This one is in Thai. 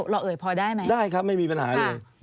เอ่ยพอได้ไหมได้ครับไม่มีปัญหาเลย